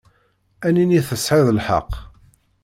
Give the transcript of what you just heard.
Ad nini tesεiḍ lḥeqq.